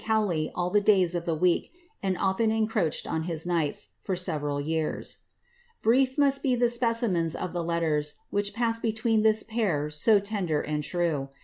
HBNBIfiTTA MABIA. 07 Cowley all the days of the week, and oflen encroached on his nights, for several years.' Brief must be the specimens of the letters which passed between this pair so tender and true.